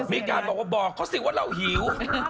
มีการบอกว่าบอกเขาสิว่าเราหิว